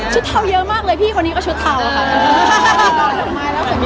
เทาเยอะมากเลยพี่คนนี้ก็ชุดเทาค่ะ